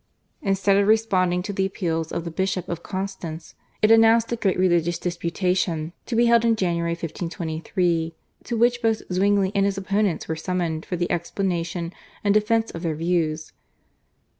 Instead of responding to the appeal of the Bishop of Constance it announced a great religious disputation to be held in January 1523, to which both Zwingli and his opponents were summoned for the explanation and defence of their views.